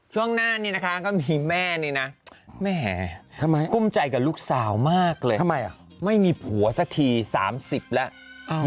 ช่วงหน้านี่นะคะก็มีแม่นี่นะแม่ทำไมกุ้มใจกับลูกสาวมากเลยไม่มีผัวสักที๓๐แล้ว